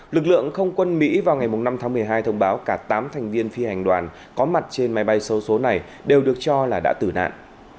lực lượng không quân mỹ vào ngày năm tháng một mươi hai thông báo cả tám thành viên phi hành đoàn có mặt trên máy bay sâu số này đều được cho là đã tử nạn